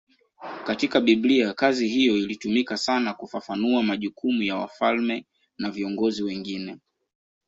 Katika Biblia kazi hiyo ilitumika sana kufafanua majukumu ya wafalme na viongozi wengine.